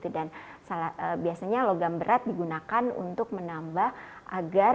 dan biasanya logam berat digunakan untuk mengurangi lingkungan